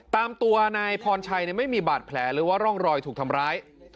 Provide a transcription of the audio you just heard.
ตามตัวนายพรชัยไม่มีบาดแผลหรือว่าร่องรอยถูกทำร้าย